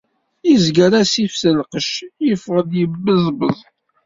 Yezger asif s lqec, yeffeɣ-d yebbeẓbeẓ